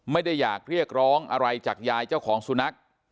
ไม่ได้อยากเรียกร้องอะไรจากยายเจ้าของสุนัข